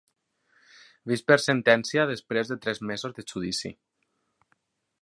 Vist per sentència després de tres mesos de judici.